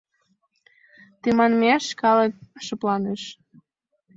Тыманмеш калык шыпланыш.